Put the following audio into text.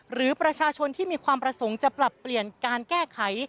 หรือประชาชนที่มีความประสงค์จะปรับเปลี่ยนการแก้ไข